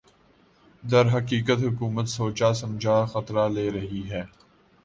درحقیقت حکومت سوچاسمجھا خطرہ لے رہی ہے